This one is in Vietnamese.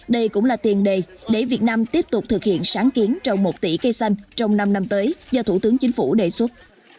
đây cũng là tiền đề để việt nam tiếp tục thực hiện sáng kiến trồng một tỷ cây xanh trong năm năm tới do thủ tướng chính phủ đề xuất